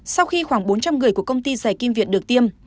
sau khi khoảng bốn trăm linh người của công ty giải kim việt được tiêm